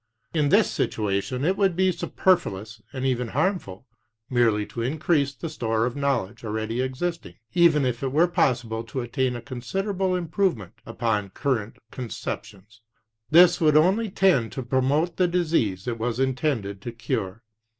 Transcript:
In this situation it would be superfluous and even harmful merely to increase the store of knowledge already existing, even if it were possible to attain a considerable improvement upon current conceptions; this would only tend to promote the disease it was intended to cure.